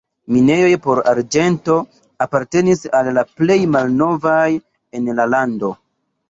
Minejoj por arĝento apartenis al la plej malnovaj en la lando.